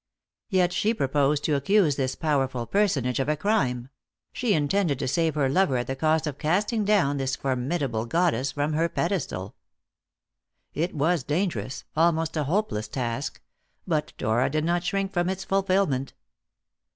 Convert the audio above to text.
Yet she proposed to accuse this powerful personage of a crime; she intended to save her lover at the cost of casting down this formidable goddess from her pedestal. It was a dangerous, almost a hopeless, task, but Dora did not shrink from its fulfilment.